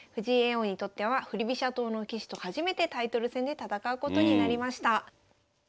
王にとっては振り飛車党の棋士と初めてタイトル戦で戦うことになりました。